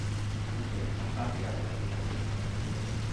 Contiene una satira della vita politica francese.